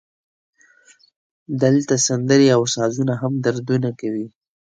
دلته سندرې او سازونه هم دردونه کوي